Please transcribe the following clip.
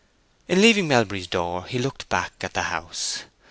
In leaving Melbury's door he looked back at the house.